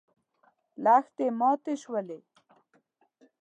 لښتې ماتې شولې.